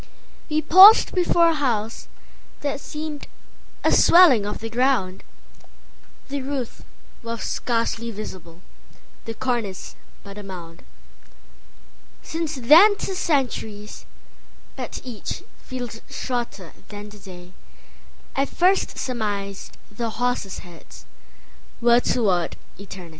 We paused before a house that seemedA swelling of the ground; The roof was scarcely visible, The cornice but a mound. Since then 'tis centuries; but eachFeels shorter than the dayI first surmised the horses' headsWere toward eternity.